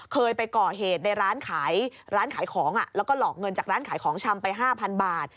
เคยไปก่อเหตุในร้านขายร้านขายของแล้วก็หลอกเงินจากร้านขายของชำไป๕๐๐บาท